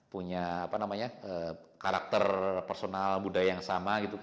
punya karakter personal budaya yang sama gitu